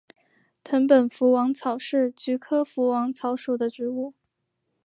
藤本福王草是菊科福王草属的植物。